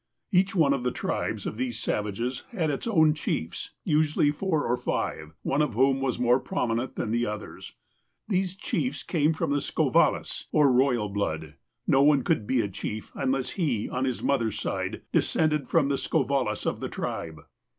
Each one of the tribes of these savages had its own chiefs, usually four or five, one of whom was more promi nent than the others. These chiefs came from the *' Skovalis," or "royal blood." No one could be a chief unless he, on his mother's side, descended from the " Skovalis " of the tribe.